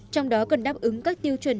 trong đó cần đáp ứng các tiêu chuẩn